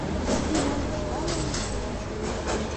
Ad iliɣ wejdeɣ mi ara iyi-teḥwijem.